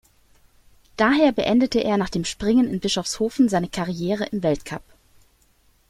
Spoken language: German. Daher beendete er nach dem Springen in Bischofshofen seine Karriere im Weltcup.